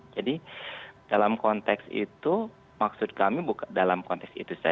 jadi dalam konteks itu maksud kami dalam konteks itu adalah